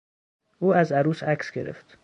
او از عروس عکس گرفت.